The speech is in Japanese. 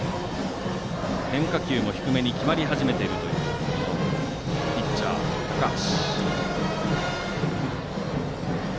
変化球も左に決まり始めてきているピッチャー、高橋。